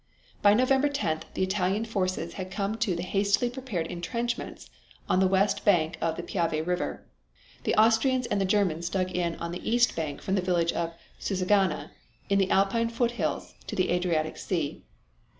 By November 10th the Italian forces had come to the hastily prepared entrenchments on the west bank of the Piave River. The Austrians and the Germans dug in on the east bank from the village of Susegana in the Alpine foothills to the Adriatic Sea.